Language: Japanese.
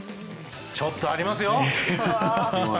ちょっとありますよ。